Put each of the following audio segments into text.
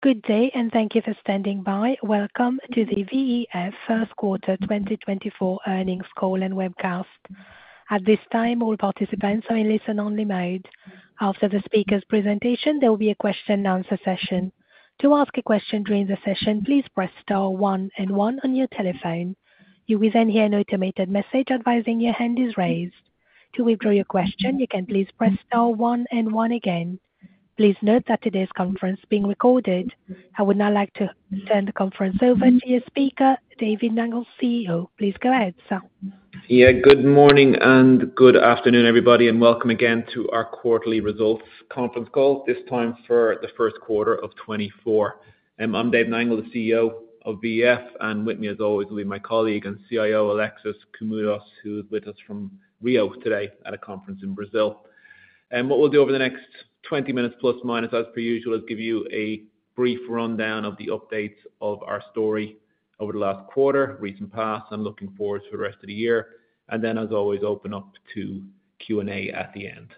Good day and thank you for standing by. Welcome to the VEF first quarter 2024 earnings call and webcast. At this time, all participants are in listen-only mode. After the speaker's presentation, there will be a question-and-answer session. To ask a question during the session, please press star one and one on your telephone. You will then hear an automated message advising your hand is raised. To withdraw your question, you can please press star one and one again. Please note that today's conference is being recorded. I would now like to turn the conference over to your speaker, David Nangle, CEO. Please go ahead, sir. Yeah, good morning and good afternoon, everybody, and welcome again to our quarterly results conference call, this time for the first quarter of 2024. I'm Dave Nangle, the CEO of VEF, and with me, as always, will be my colleague and CIO, Alexis Koumoudos, who is with us from Rio today at a conference in Brazil. What we'll do over the next 20 minutes±, as per usual, is give you a brief rundown of the updates of our story over the last quarter, recent past, and looking forward to the rest of the year, and then, as always, open up to Q&A at the end.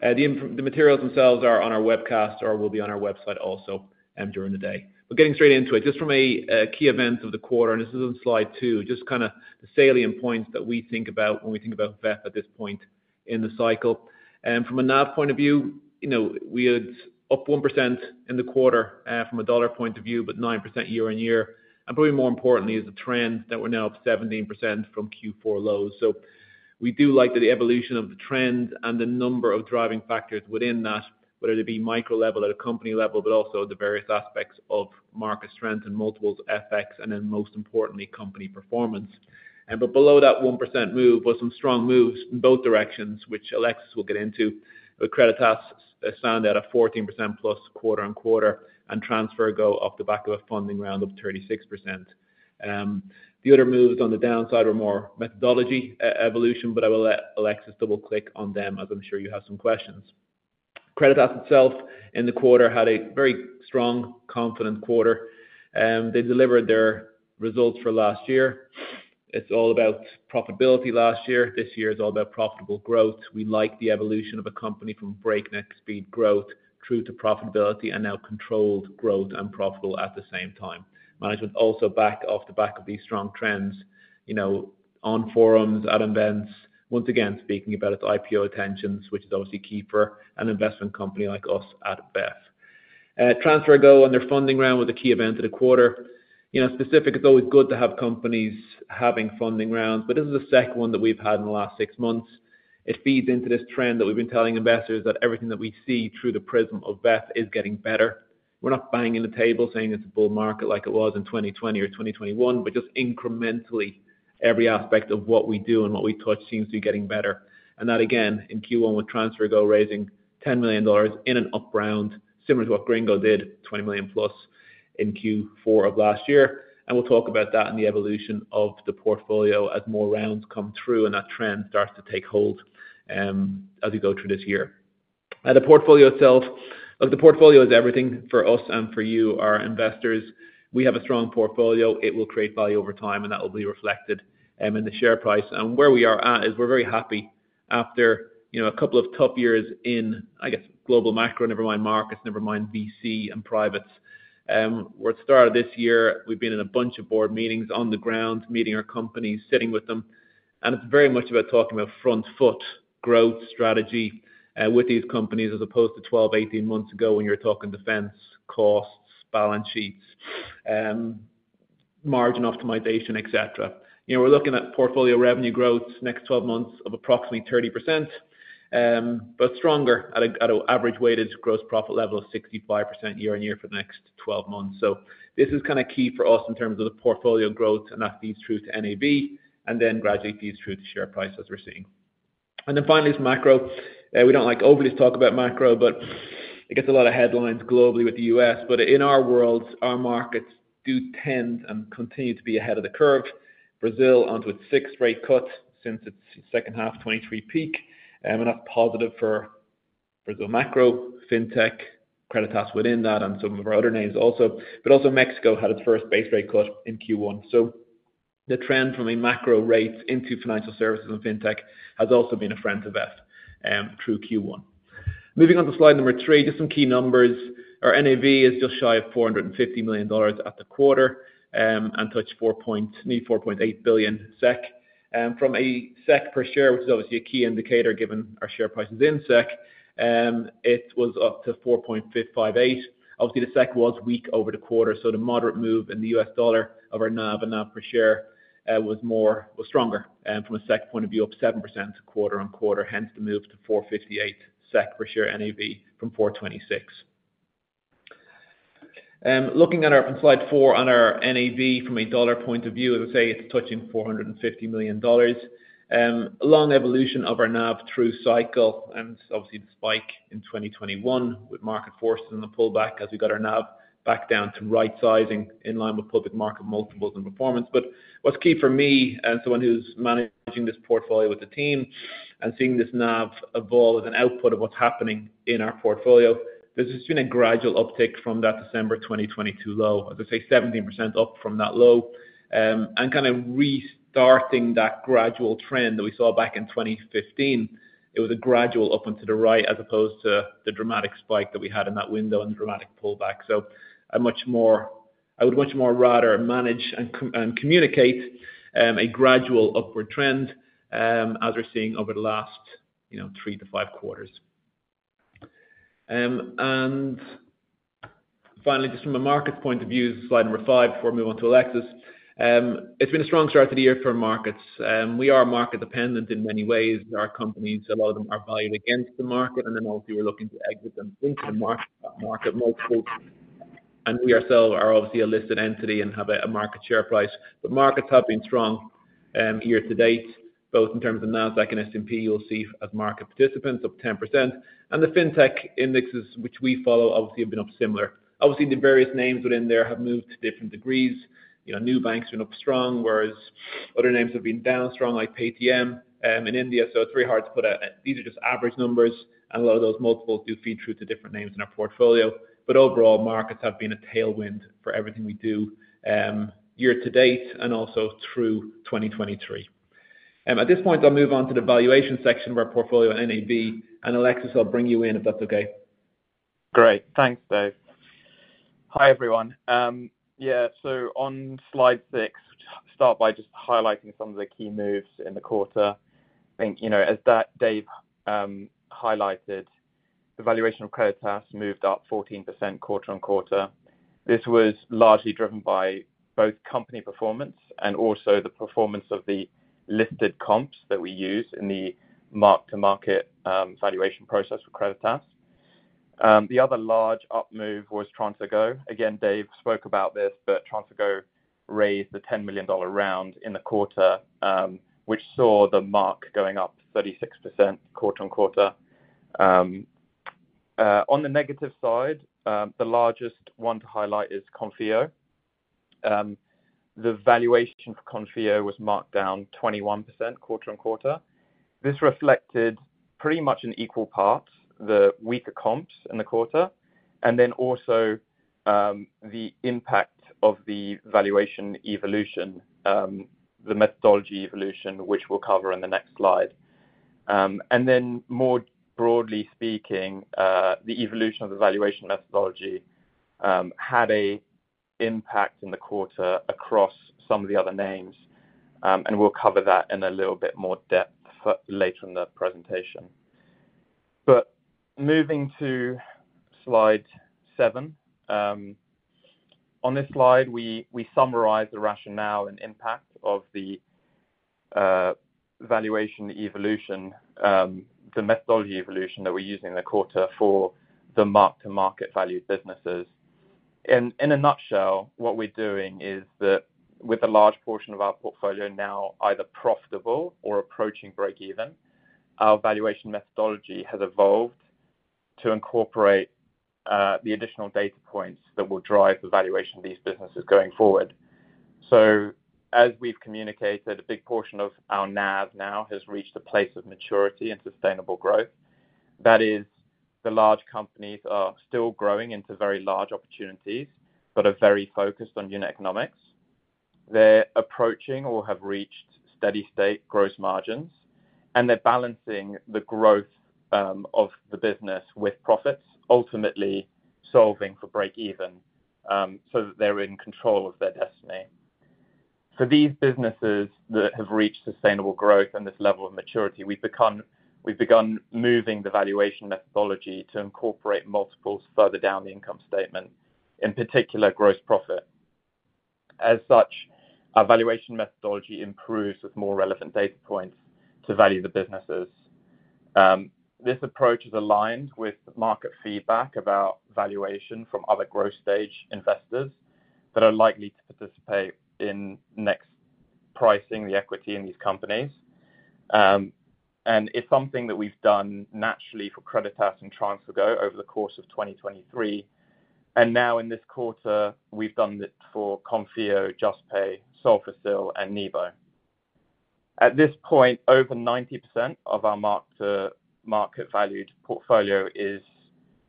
The materials themselves are on our webcast or will be on our website also during the day. Getting straight into it, just from a key events of the quarter, and this is on slide two, just kind of the salient points that we think about when we think about VEF at this point in the cycle. From a NAV point of view, we are up 1% in the quarter from a dollar point of view, but 9% year-on-year. Probably more importantly, is the trend that we're now up 17% from Q4 lows. We do like the evolution of the trend and the number of driving factors within that, whether it be micro-level at a company level, but also the various aspects of market strength and multiples, FX, and then, most importantly, company performance. Below that 1% move were some strong moves in both directions, which Alexis will get into. Creditas stands at a 14%+ quarter-on-quarter, and TransferGo off the back of a funding round of 36%. The other moves on the downside were more methodology evolution, but I will let Alexis double-click on them as I'm sure you have some questions. Creditas itself in the quarter had a very strong, confident quarter. They delivered their results for last year. It's all about profitability last year. This year is all about profitable growth. We like the evolution of a company from breakneck speed growth, through to profitability, and now controlled growth and profitable at the same time. Management also off the back of these strong trends on forums, at events, once again speaking about its IPO intentions, which is obviously key for an investment company like us at VEF. TransferGo on their funding round was a key event of the quarter. Specifically, it's always good to have companies having funding rounds, but this is the second one that we've had in the last six months. It feeds into this trend that we've been telling investors that everything that we see through the prism of VEF is getting better. We're not banging the table saying it's a bull market like it was in 2020 or 2021, but just incrementally, every aspect of what we do and what we touch seems to be getting better. And that, again, in Q1 with TransferGo raising $10 million in an up round, similar to what Gringo did, $20 million+ in Q4 of last year. And we'll talk about that and the evolution of the portfolio as more rounds come through and that trend starts to take hold as we go through this year. The portfolio itself, look, the portfolio is everything for us and for you, our investors. We have a strong portfolio. It will create value over time, and that will be reflected in the share price. And where we are at is we're very happy after a couple of tough years in, I guess, global macro, never mind markets, never mind VC and privates. Where it started this year, we've been in a bunch of board meetings on the ground, meeting our companies, sitting with them. And it's very much about talking about front-foot growth strategy with these companies as opposed to 12, 18 months ago when you were talking defense, costs, balance sheets, margin optimization, etc. We're looking at portfolio revenue growth next 12 months of approximately 30% but stronger at an average weighted gross profit level of 65% year-over-year for the next 12 months. So this is kind of key for us in terms of the portfolio growth, and that feeds through to NAV and then gradually feeds through to share price as we're seeing. And then finally, it's macro. We don't like overly to talk about macro, but it gets a lot of headlines globally with the U.S.. But in our world, our markets do tend and continue to be ahead of the curve. Brazil onto its sixth rate cut since its second-half 2023 peak, and that's positive for Brazil macro, fintech, Creditas within that, and some of our other names also. But also Mexico had its first base rate cut in Q1. So the trend from a macro rate into financial services and fintech has also been a friend to VEF through Q1. Moving on to slide number three, just some key numbers. Our NAV is just shy of $450 million at the quarter and touched nearly 4.8 billion SEK. From a SEK per share, which is obviously a key indicator given our share prices in SEK, it was up to 4.58. Obviously, the SEK was weak over the quarter, so the moderate move in the US dollar of our NAV and NAV per share was stronger from a SEK point of view, up 7% quarter-on-quarter, hence the move to 458 SEK per share NAV from 426. Looking on slide four on our NAV from a dollar point of view, as I say, it's touching $450 million. Long evolution of our NAV through cycle and obviously the spike in 2021 with market forces and the pullback as we got our NAV back down to right-sizing in line with public market multiples and performance. But what's key for me, as someone who's managing this portfolio with the team and seeing this NAV evolve as an output of what's happening in our portfolio, there's just been a gradual uptick from that December 2022 low, as I say, 17% up from that low. And kind of restarting that gradual trend that we saw back in 2015, it was a gradual up onto the right as opposed to the dramatic spike that we had in that window and the dramatic pullback. So I would much more rather manage and communicate a gradual upward trend as we're seeing over the last three to five quarters. And finally, just from a markets point of view, slide number five before I move on to Alexis. It's been a strong start to the year for markets. We are market-dependent in many ways. Our companies, a lot of them, are valued against the market, and then obviously we're looking to exit and link to the market multiples. We ourselves are obviously a listed entity and have a market share price. Markets have been strong year to date, both in terms of NASDAQ and S&P. You'll see, as market participants, up 10%. The fintech indexes, which we follow, obviously have been up similar. Obviously, the various names within there have moved to different degrees. Neobanks have been up strong, whereas other names have been down strong like Paytm in India. So it's very hard to put a, these are just average numbers, and a lot of those multiples do feed through to different names in our portfolio. Overall, markets have been a tailwind for everything we do year to date and also through 2023. At this point, I'll move on to the valuation section of our portfolio and NAV, and Alexis, I'll bring you in if that's okay. Great. Thanks, Dave. Hi, everyone. Yeah, so on slide six, start by just highlighting some of the key moves in the quarter. I think as Dave highlighted, the valuation of Creditas moved up 14% quarter-on-quarter. This was largely driven by both company performance and also the performance of the listed comps that we use in the mark-to-market valuation process for Creditas. The other large up move was TransferGo. Again, Dave spoke about this, but TransferGo raised the $10 million round in the quarter, which saw the mark going up 36% quarter-on-quarter. On the negative side, the largest one to highlight is Konfío. The valuation for Konfío was marked down 21% quarter-on-quarter. This reflected pretty much in equal part the weaker comps in the quarter and then also the impact of the valuation evolution, the methodology evolution, which we'll cover in the next slide. Then more broadly speaking, the evolution of the valuation methodology had an impact in the quarter across some of the other names, and we'll cover that in a little bit more depth later in the presentation. Moving to slide seven. On this slide, we summarize the rationale and impact of the valuation evolution, the methodology evolution that we're using in the quarter for the mark-to-market valued businesses. In a nutshell, what we're doing is that with a large portion of our portfolio now either profitable or approaching break-even, our valuation methodology has evolved to incorporate the additional data points that will drive the valuation of these businesses going forward. So as we've communicated, a big portion of our NAV now has reached a place of maturity and sustainable growth. That is, the large companies are still growing into very large opportunities but are very focused on unit economics. They're approaching or have reached steady-state gross margins, and they're balancing the growth of the business with profits, ultimately solving for break-even so that they're in control of their destiny. For these businesses that have reached sustainable growth and this level of maturity, we've begun moving the valuation methodology to incorporate multiples further down the income statement, in particular gross profit. As such, our valuation methodology improves with more relevant data points to value the businesses. This approach is aligned with market feedback about valuation from other growth-stage investors that are likely to participate in next pricing the equity in these companies. And it's something that we've done naturally for Creditas and TransferGo over the course of 2023. And now in this quarter, we've done it for Konfío, Juspay, Solfácil, and Nibo. At this point, over 90% of our mark-to-market valued portfolio is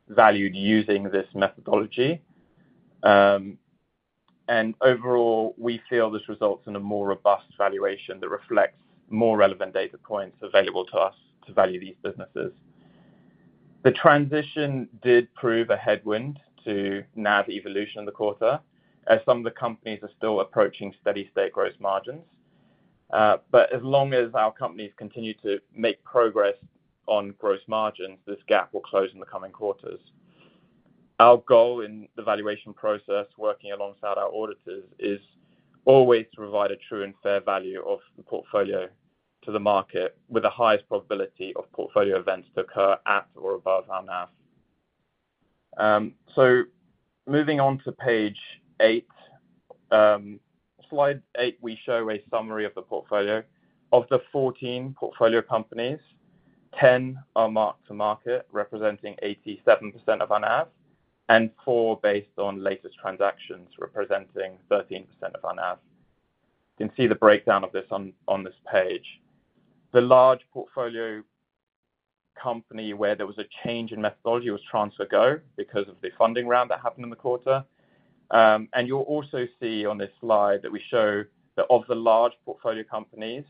valued using this methodology. And overall, we feel this results in a more robust valuation that reflects more relevant data points available to us to value these businesses. The transition did prove a headwind to NAV evolution in the quarter as some of the companies are still approaching steady-state gross margins. But as long as our companies continue to make progress on gross margins, this gap will close in the coming quarters. Our goal in the valuation process, working alongside our auditors, is always to provide a true and fair value of the portfolio to the market with the highest probability of portfolio events to occur at or above our NAV. So moving on to page eight. Slide eight, we show a summary of the portfolio. Of the 14 portfolio companies, 10 are marked to market, representing 87% of our NAV, and four based on latest transactions, representing 13% of our NAV. You can see the breakdown of this on this page. The large portfolio company where there was a change in methodology was TransferGo because of the funding round that happened in the quarter. And you'll also see on this slide that we show that of the large portfolio companies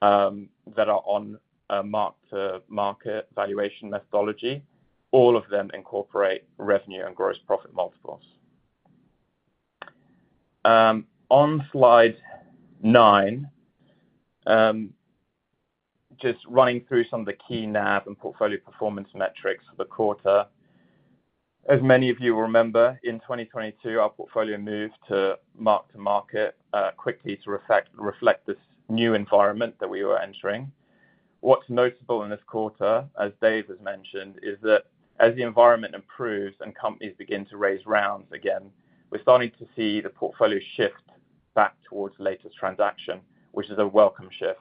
that are on mark-to-market valuation methodology, all of them incorporate revenue and gross profit multiples. On slide nine, just running through some of the key NAV and portfolio performance metrics for the quarter. As many of you will remember, in 2022, our portfolio moved to mark-to-market quickly to reflect this new environment that we were entering. What's notable in this quarter, as Dave has mentioned, is that as the environment improves and companies begin to raise rounds again, we're starting to see the portfolio shift back towards latest transaction, which is a welcome shift.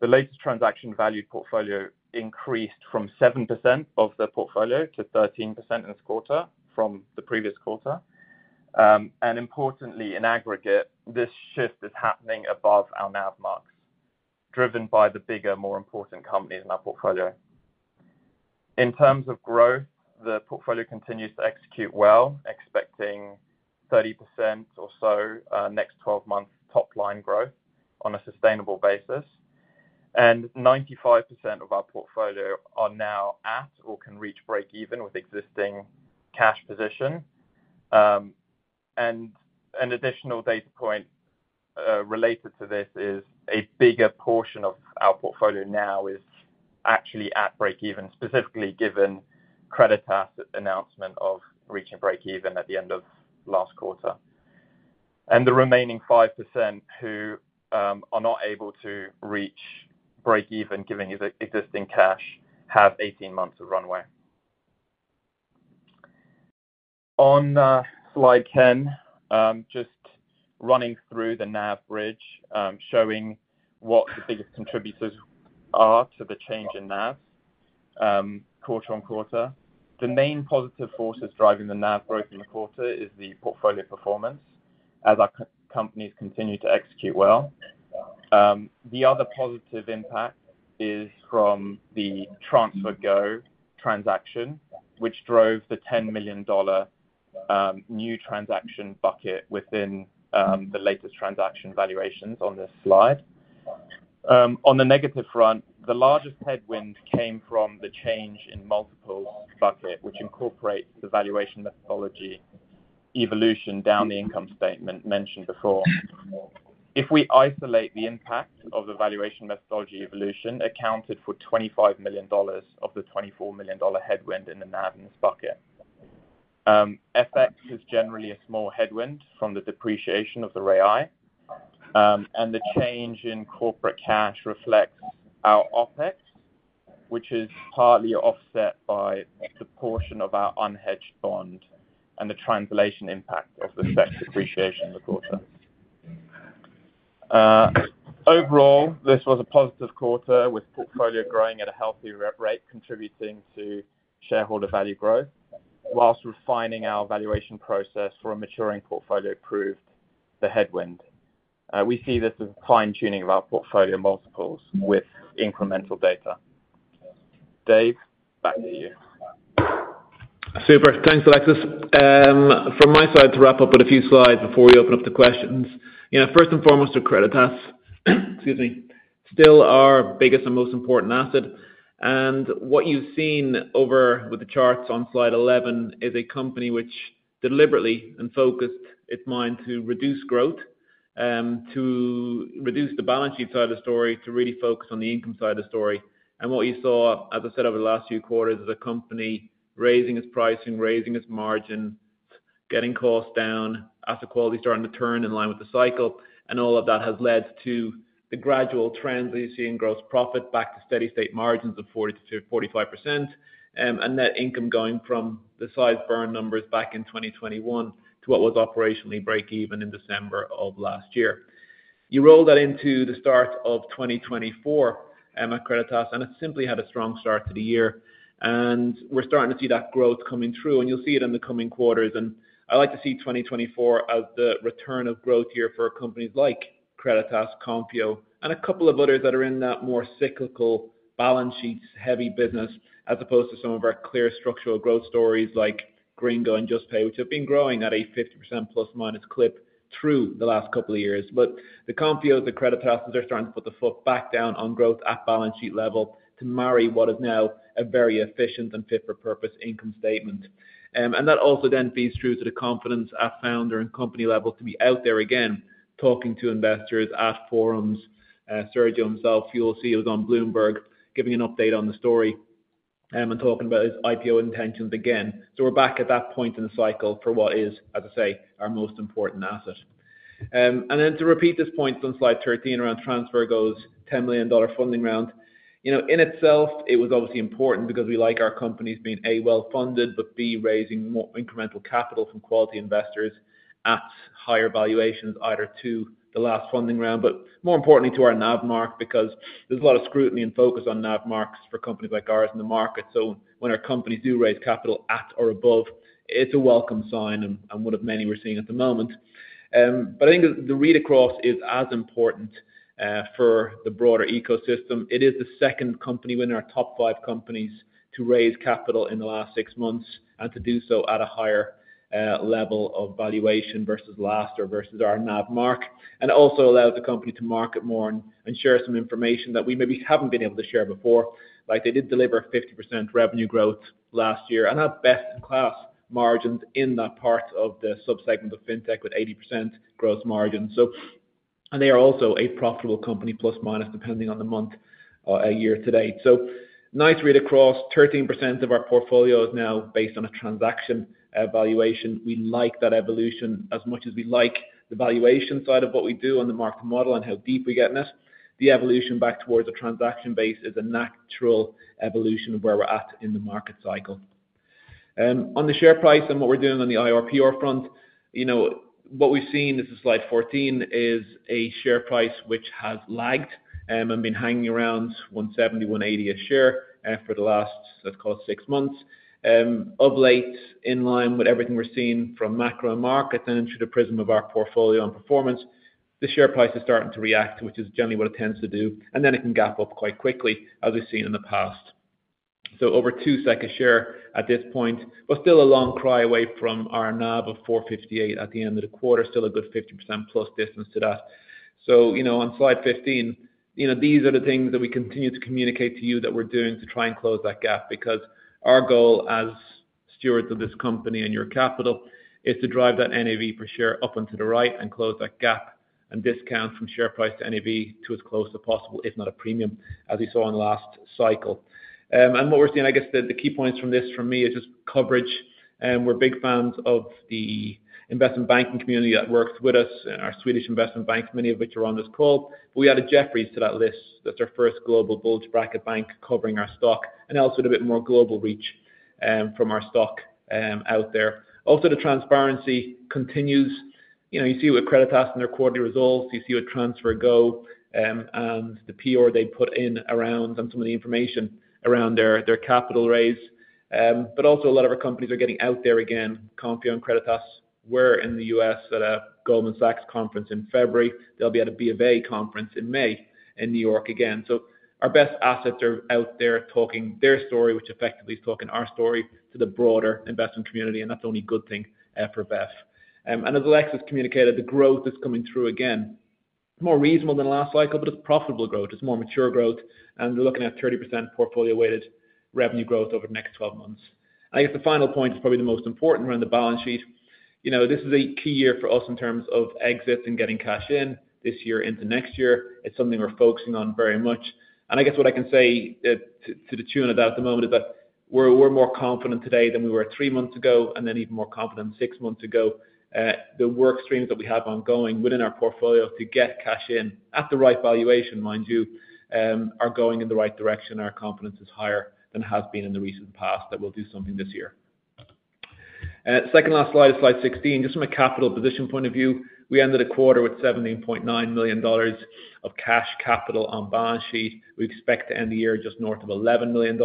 The latest transaction valued portfolio increased from 7% of the portfolio to 13% in this quarter from the previous quarter. Importantly, in aggregate, this shift is happening above our NAV marks, driven by the bigger, more important companies in our portfolio. In terms of growth, the portfolio continues to execute well, expecting 30% or so next 12 months top-line growth on a sustainable basis. 95% of our portfolio are now at or can reach break-even with existing cash position. An additional data point related to this is a bigger portion of our portfolio now is actually at break-even, specifically given Creditas' announcement of reaching break-even at the end of last quarter. The remaining 5% who are not able to reach break-even given existing cash have 18 months of runway. On slide 10, just running through the NAV bridge, showing what the biggest contributors are to the change in NAV quarter-on-quarter. The main positive forces driving the NAV growth in the quarter is the portfolio performance as our companies continue to execute well. The other positive impact is from the TransferGo transaction, which drove the $10 million new transaction bucket within the latest transaction valuations on this slide. On the negative front, the largest headwind came from the change in multiples bucket, which incorporates the valuation methodology evolution down the income statement mentioned before. If we isolate the impact of the valuation methodology evolution, it accounted for $25 million of the $24 million headwind in the NAV in this bucket. FX is generally a small headwind from the depreciation of the BRL. And the change in corporate cash reflects our OpEx, which is partly offset by the portion of our unhedged bond and the translation impact of the SEK depreciation in the quarter. Overall, this was a positive quarter with portfolio growing at a healthy rate, contributing to shareholder value growth. While refining our valuation process for a maturing portfolio proved the headwind. We see this as a fine-tuning of our portfolio multiples with incremental data. Dave, back to you. Super. Thanks, Alexis. From my side, to wrap up with a few slides before we open up to questions, first and foremost, are Creditas - excuse me - still our biggest and most important asset. And what you've seen over with the charts on slide 11 is a company which deliberately and focused its mind to reduce growth, to reduce the balance sheet side of the story, to really focus on the income side of the story. And what you saw, as I said over the last few quarters, is a company raising its pricing, raising its margin, getting costs down, asset quality starting to turn in line with the cycle. All of that has led to the gradual trends that you see in gross profit back to steady-state margins of 40%-45% and net income going from the sizable burn numbers back in 2021 to what was operationally break-even in December of last year. You roll that into the start of 2024 at Creditas, and it simply had a strong start to the year. We're starting to see that growth coming through, and you'll see it in the coming quarters. I like to see 2024 as the return of growth year for companies like Creditas, Konfío, and a couple of others that are in that more cyclical balance sheets-heavy business as opposed to some of our clear structural growth stories like Gringo and Juspay, which have been growing at a 50%± clip through the last couple of years. But the Konfío's and Creditas are starting to put the foot back down on growth at balance sheet level to marry what is now a very efficient and fit-for-purpose income statement. And that also then feeds through to the confidence at founder and company level to be out there again talking to investors at forums. Sergio himself, you'll see he was on Bloomberg giving an update on the story and talking about his IPO intentions again. So we're back at that point in the cycle for what is, as I say, our most important asset. To repeat this point on slide 13 around TransferGo's $10 million funding round, in itself, it was obviously important because we like our companies being, A, well-funded, but B, raising more incremental capital from quality investors at higher valuations either to the last funding round, but more importantly to our NAV mark because there's a lot of scrutiny and focus on NAV marks for companies like ours in the market. So when our companies do raise capital at or above, it's a welcome sign and one of many we're seeing at the moment. But I think the read across is as important for the broader ecosystem. It is the second company within our top five companies to raise capital in the last six months and to do so at a higher level of valuation versus last or versus our NAV mark. It also allowed the company to market more and share some information that we maybe haven't been able to share before. They did deliver 50% revenue growth last year and had best-in-class margins in that part of the subsegment of fintech with 80% gross margin. They are also a profitable company plus or minus depending on the month, year to date. Nice read across. 13% of our portfolio is now based on a transaction valuation. We like that evolution as much as we like the valuation side of what we do and the market model and how deep we get in this. The evolution back towards a transaction base is a natural evolution of where we're at in the market cycle. On the share price and what we're doing on the IRPR front, what we've seen - this is slide 14 - is a share price which has lagged and been hanging around 170-180 a share for the last, let's call it, six months. Of late, in line with everything we're seeing from macro and market and through the prism of our portfolio and performance, the share price is starting to react, which is generally what it tends to do. And then it can gap up quite quickly, as we've seen in the past. So over 200 a share at this point, but still a far cry away from our NAV of 458 at the end of the quarter. Still a good 50%+ distance to that. On slide 15, these are the things that we continue to communicate to you that we're doing to try and close that gap because our goal as stewards of this company and your capital is to drive that NAV per share up and to the right and close that gap and discount from share price to NAV to as close as possible, if not a premium, as we saw in the last cycle. What we're seeing, I guess the key points from this for me is just coverage. We're big fans of the investment banking community that works with us and our Swedish investment banks, many of which are on this call. We added Jefferies to that list. That's our first global bulge bracket bank covering our stock and also with a bit more global reach from our stock out there. Also, the transparency continues. You see what Creditas and their quarterly results. You see what TransferGo and the PR they put in around and some of the information around their capital raise. But also, a lot of our companies are getting out there again. Konfío and Creditas were in the U.S. at a Goldman Sachs conference in February. They'll be at a B of A conference in May in New York again. So our best assets are out there talking their story, which effectively is talking our story to the broader investment community. And that's the only good thing for VEF. And as Alexis communicated, the growth is coming through again. It's more reasonable than the last cycle, but it's profitable growth. It's more mature growth. And we're looking at 30% portfolio-weighted revenue growth over the next 12 months. And I guess the final point is probably the most important around the balance sheet. This is a key year for us in terms of exits and getting cash in this year into next year. It's something we're focusing on very much. And I guess what I can say to the tune of that at the moment is that we're more confident today than we were three months ago and then even more confident six months ago. The work streams that we have ongoing within our portfolio to get cash in at the right valuation, mind you, are going in the right direction. Our confidence is higher than it has been in the recent past that we'll do something this year. Second last slide is slide 16. Just from a capital position point of view, we ended a quarter with $17.9 million of cash capital on balance sheet. We expect to end the year just north of $11 million.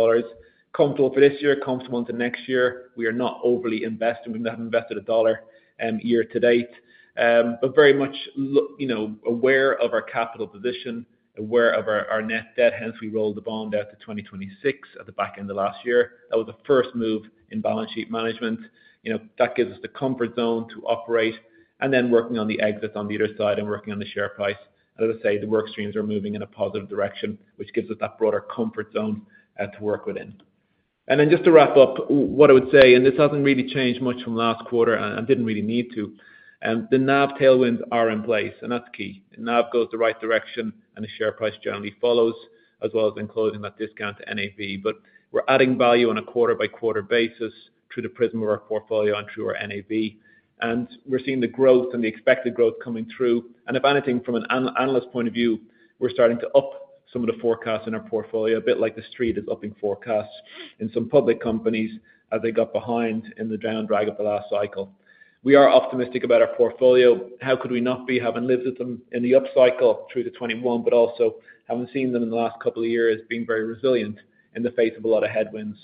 Comfortable for this year, comfortable into next year. We are not overly invested. We haven't invested a dollar year to date. But very much aware of our capital position, aware of our net debt. Hence, we rolled the bond out to 2026 at the back end of last year. That was the first move in balance sheet management. That gives us the comfort zone to operate. And then working on the exits on the other side and working on the share price. And as I say, the work streams are moving in a positive direction, which gives us that broader comfort zone to work within. And then just to wrap up, what I would say - and this hasn't really changed much from last quarter and didn't really need to - the NAV tailwinds are in place. That's key. NAV goes the right direction, and the share price generally follows, as well as closing that discount to NAV. We're adding value on a quarter-by-quarter basis through the prism of our portfolio and through our NAV. We're seeing the growth and the expected growth coming through. If anything, from an analyst point of view, we're starting to up some of the forecasts in our portfolio, a bit like the street is upping forecasts in some public companies as they got behind in the down drag of the last cycle. We are optimistic about our portfolio. How could we not be, having lived with them in the upcycle through to 2021 but also having seen them in the last couple of years being very resilient in the face of a lot of headwinds?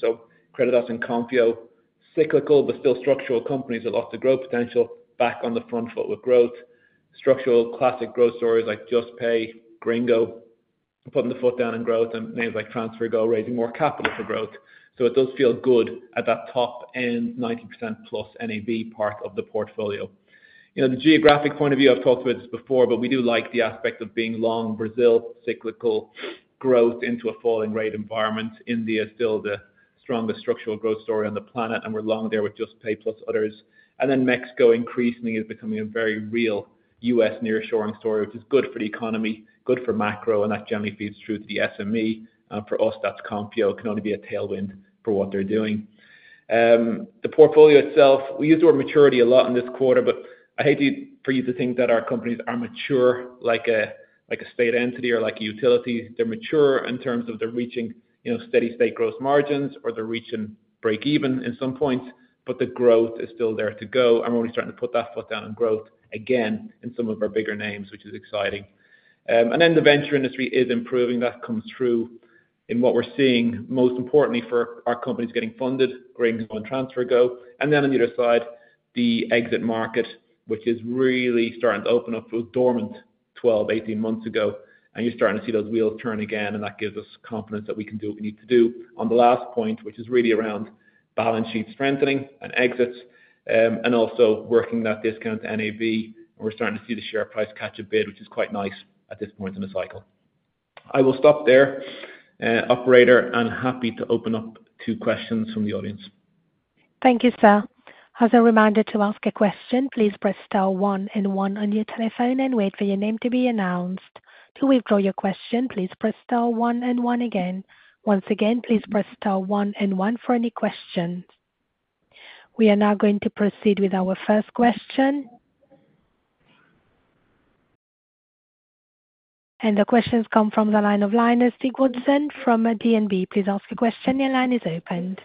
Creditas and Konfío. Cyclical but still structural companies that lost their growth potential back on the front foot with growth. Structural classic growth stories like Juspay, Gringo, putting the foot down in growth, and names like TransferGo, raising more capital for growth. So it does feel good at that top-end 90%+ NAV part of the portfolio. The geographic point of view, I've talked about this before, but we do like the aspect of being long Brazil, cyclical growth into a falling-rate environment. India is still the strongest structural growth story on the planet, and we're long there with Juspay plus others. And then Mexico, increasingly, is becoming a very real U.S. near-shoring story, which is good for the economy, good for macro, and that generally feeds through to the SME. For us, that's Konfío. It can only be a tailwind for what they're doing. The portfolio itself, we used the word maturity a lot in this quarter, but I hate for you to think that our companies are mature like a state entity or like a utility. They're mature in terms of they're reaching steady-state growth margins or they're reaching break-even in some points, but the growth is still there to go. And we're only starting to put that foot down in growth again in some of our bigger names, which is exciting. And then the venture industry is improving. That comes true in what we're seeing, most importantly for our companies getting funded, Gringo and TransferGo. And then on the other side, the exit market, which is really starting to open up. It was dormant 12-18 months ago, and you're starting to see those wheels turn again. And that gives us confidence that we can do what we need to do. On the last point, which is really around balance sheet strengthening and exits and also working that discount to NAV, we're starting to see the share price catch a bid, which is quite nice at this point in the cycle. I will stop there, operator, and happy to open up to questions from the audience. Thank you, sir. As a reminder to ask a question, please press star one and one on your telephone and wait for your name to be announced. To withdraw your question, please press star one and one again. Once again, please press star one and one for any questions. We are now going to proceed with our first question. The questions come from the line of Linus Sigurdson from DNB. Please ask your question. Your line is open.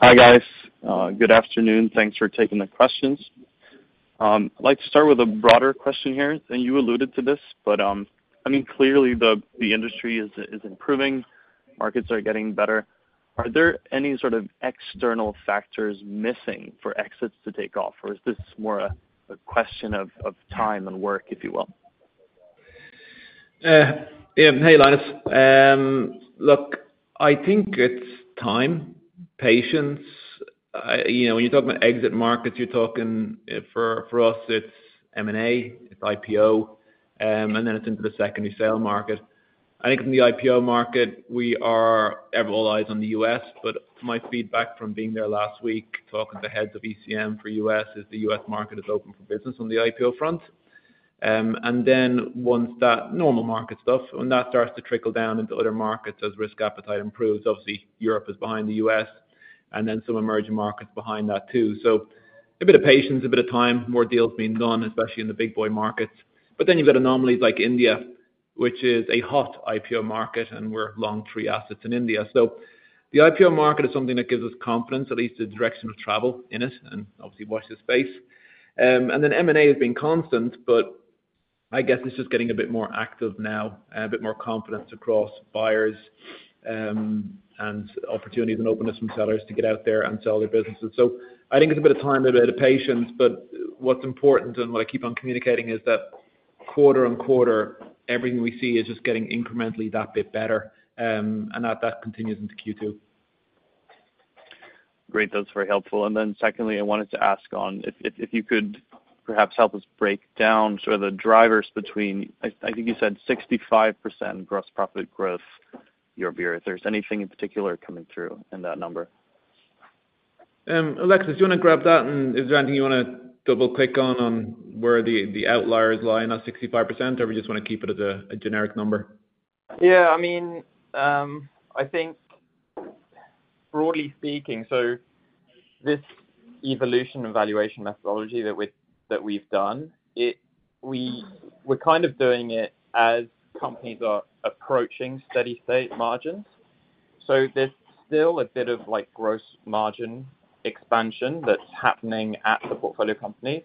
Hi, guys. Good afternoon. Thanks for taking the questions. I'd like to start with a broader question here. You alluded to this, but I mean, clearly, the industry is improving. Markets are getting better. Are there any sort of external factors missing for exits to take off, or is this more a question of time and work, if you will? Yeah. Hey, Linus. Look, I think it's time, patience. When you're talking about exit markets, for us, it's M&A. It's IPO. And then it's into the secondary sale market. I think in the IPO market, we are all eyes on the U.S. But my feedback from being there last week, talking to heads of ECM for U.S., is the U.S. market is open for business on the IPO front. And then once that normal market stuff when that starts to trickle down into other markets as risk appetite improves, obviously, Europe is behind the U.S. and then some emerging markets behind that too. So a bit of patience, a bit of time, more deals being done, especially in the big boy markets. But then you've got anomalies like India, which is a hot IPO market, and we're long three assets in India. So the IPO market is something that gives us confidence, at least the direction of travel in it and obviously watch the space. And then M&A has been constant, but I guess it's just getting a bit more active now, a bit more confidence across buyers and opportunities and openness from sellers to get out there and sell their businesses. So I think it's a bit of time, a bit of patience. But what's important and what I keep on communicating is that quarter-on-quarter, everything we see is just getting incrementally that bit better. And that continues into Q2. Great. That's very helpful. And then secondly, I wanted to ask on if you could perhaps help us break down sort of the drivers between I think you said 65% gross profit growth year-over-year. If there's anything in particular coming through in that number? Alexis, do you want to grab that? And is there anything you want to double-click on, on where the outliers lie in that 65%, or we just want to keep it as a generic number? Yeah. I mean, I think broadly speaking, so this evolution and valuation methodology that we've done, we're kind of doing it as companies are approaching steady-state margins. So there's still a bit of gross margin expansion that's happening at the portfolio companies,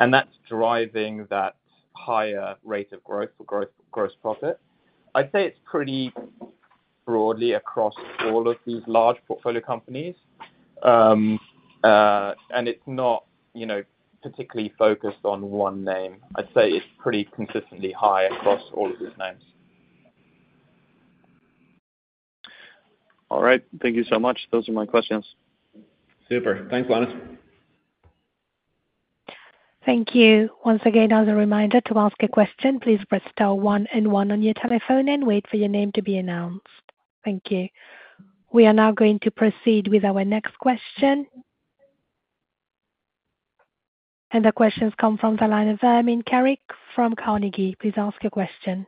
and that's driving that higher rate of growth or gross profit. I'd say it's pretty broadly across all of these large portfolio companies, and it's not particularly focused on one name. I'd say it's pretty consistently high across all of these names. All right. Thank you so much. Those are my questions. Super. Thanks, Linus. Thank you. Once again, as a reminder to ask a question, please press star one and one on your telephone and wait for your name to be announced. Thank you. We are now going to proceed with our next question. The questions come from the line of Ermin Keric from Carnegie. Please ask your question.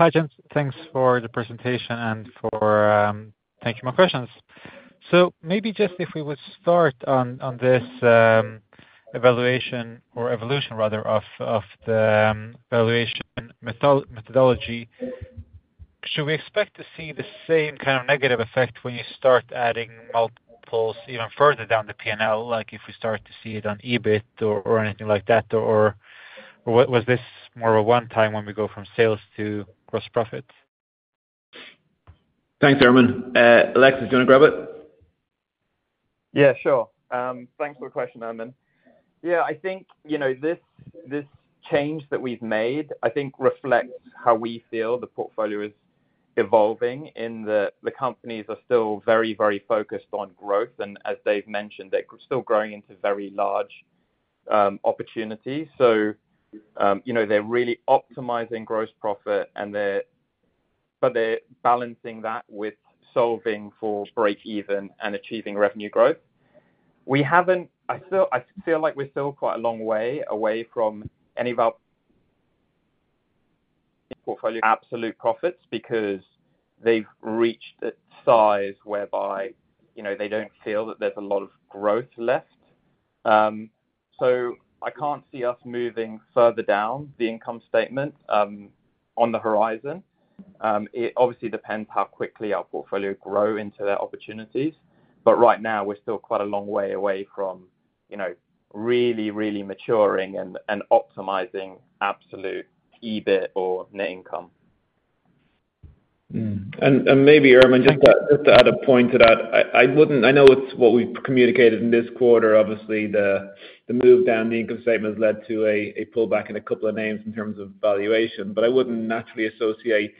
Hi, Dave. Thanks for the presentation and for answering my questions. So maybe just if we would start on this evaluation or evolution, rather, of the valuation methodology, should we expect to see the same kind of negative effect when you start adding multiples even further down the P&L, like if we start to see it on EBIT or anything like that? Or was this more of a one-time when we go from sales to gross profit? Thanks, Ermin. Alexis, do you want to grab it? Yeah. Sure. Thanks for the question, Ermin. Yeah. I think this change that we've made, I think, reflects how we feel the portfolio is evolving. And the companies are still very, very focused on growth. And as Dave mentioned, they're still growing into very large opportunities. So they're really optimizing gross profit, but they're balancing that with solving for break-even and achieving revenue growth. I feel like we're still quite a long way away from any of our portfolio absolute profits because they've reached a size whereby they don't feel that there's a lot of growth left. So I can't see us moving further down the income statement on the horizon. It obviously depends how quickly our portfolio grow into their opportunities. But right now, we're still quite a long way away from really, really maturing and optimizing absolute EBIT or net income. Maybe, Ermin, just to add a point to that, I know it's what we've communicated in this quarter. Obviously, the move down the income statement has led to a pullback in a couple of names in terms of valuation. I wouldn't naturally associate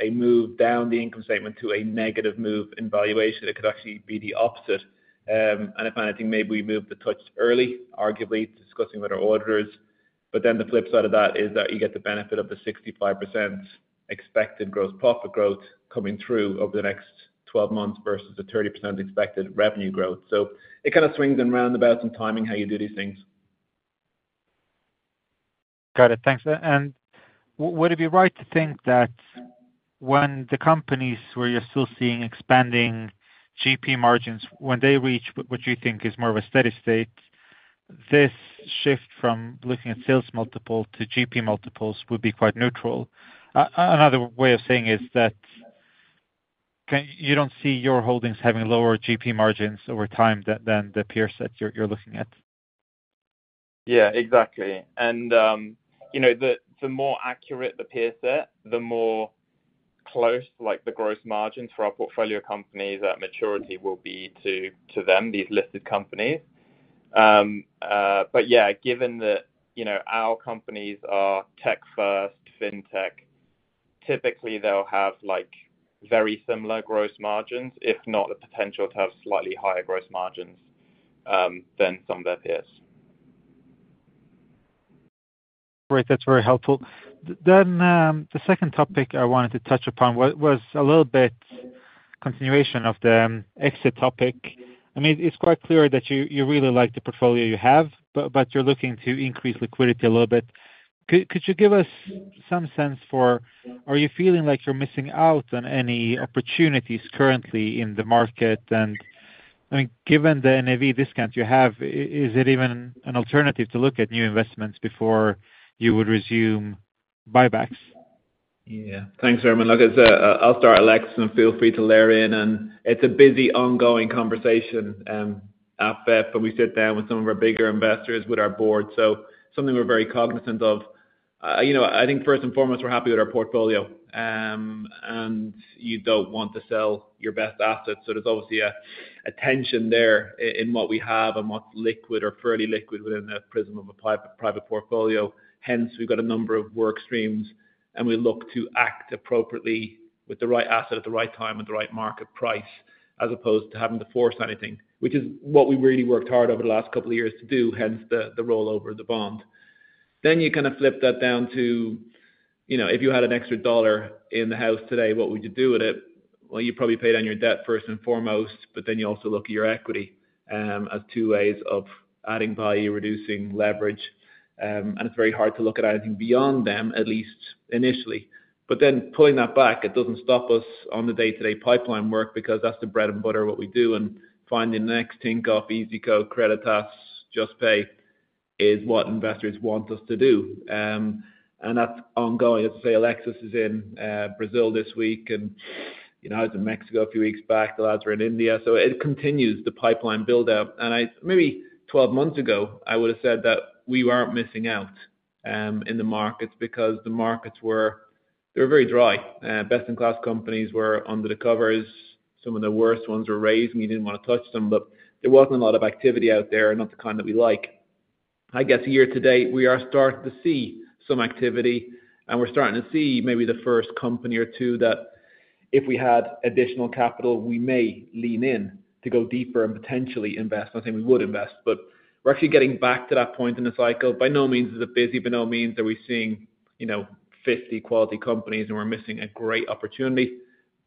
a move down the income statement to a negative move in valuation. It could actually be the opposite. If anything, maybe we moved the touch early, arguably, discussing with our auditors. Then the flip side of that is that you get the benefit of the 65% expected gross profit growth coming through over the next 12 months versus the 30% expected revenue growth. It kind of swings and roundabouts in timing, how you do these things. Got it. Thanks. Would it be right to think that when the companies where you're still seeing expanding GP margins, when they reach what you think is more of a steady state, this shift from looking at sales multiples to GP multiples would be quite neutral? Another way of saying is that you don't see your holdings having lower GP margins over time than the peer set you're looking at. Yeah. Exactly. And the more accurate the peer set, the more close the gross margins for our portfolio companies at maturity will be to them, these listed companies. But yeah, given that our companies are tech-first, fintech, typically, they'll have very similar gross margins, if not the potential to have slightly higher gross margins than some of their peers. Great. That's very helpful. Then the second topic I wanted to touch upon was a little bit continuation of the exit topic. I mean, it's quite clear that you really like the portfolio you have, but you're looking to increase liquidity a little bit. Could you give us some sense for are you feeling like you're missing out on any opportunities currently in the market? And I mean, given the NAV discount you have, is it even an alternative to look at new investments before you would resume buybacks? Yeah. Thanks, Ermin. Look, I'll start, Alexis, and feel free to layer in. It's a busy, ongoing conversation at VEF when we sit down with some of our bigger investors with our board. So something we're very cognizant of. I think, first and foremost, we're happy with our portfolio. You don't want to sell your best asset. So there's obviously a tension there in what we have and what's liquid or fairly liquid within the prism of a private portfolio. Hence, we've got a number of workstreams, and we look to act appropriately with the right asset at the right time at the right market price as opposed to having to force anything, which is what we really worked hard over the last couple of years to do, hence the rollover of the bond. Then you kind of flip that down to if you had an extra dollar in the house today, what would you do with it? Well, you probably paid on your debt first and foremost, but then you also look at your equity as two ways of adding value, reducing leverage. And it's very hard to look at anything beyond them, at least initially. But then pulling that back, it doesn't stop us on the day-to-day pipeline work because that's the bread and butter, what we do. And finding the next Tinkoff, iyzico, Creditas, Juspay is what investors want us to do. And that's ongoing. As I say, Alexis is in Brazil this week, and I was in Mexico a few weeks back. The lads were in India. So it continues the pipeline buildup. Maybe 12 months ago, I would have said that we weren't missing out in the markets because the markets were very dry. Best-in-class companies were under the covers. Some of the worst ones were raised, and you didn't want to touch them. But there wasn't a lot of activity out there, not the kind that we like. I guess year to date, we are starting to see some activity, and we're starting to see maybe the first company or two that if we had additional capital, we may lean in to go deeper and potentially invest. Not saying we would invest, but we're actually getting back to that point in the cycle. By no means is it busy. By no means are we seeing 50 quality companies, and we're missing a great opportunity.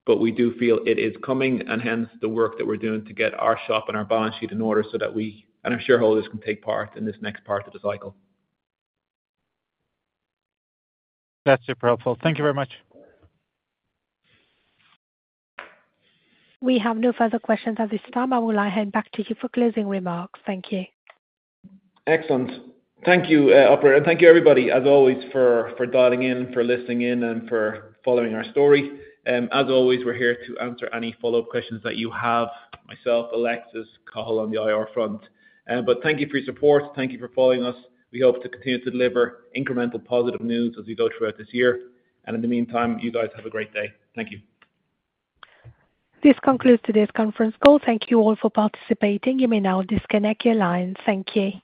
But we do feel it is coming, and hence the work that we're doing to get our shop and our balance sheet in order so that we and our shareholders can take part in this next part of the cycle. That's super helpful. Thank you very much. We have no further questions at this time. I will hand back to you for closing remarks. Thank you. Excellent. Thank you, Operator. Thank you, everybody, as always, for dialing in, for listening in, and for following our story. As always, we're here to answer any follow-up questions that you have, myself, Alexis, Cathal on the IR front. Thank you for your support. Thank you for following us. We hope to continue to deliver incremental positive news as we go throughout this year. In the meantime, you guys have a great day. Thank you. This concludes today's conference call. Thank you all for participating. You may now disconnect your lines. Thank you.